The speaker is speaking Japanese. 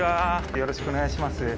よろしくお願いします。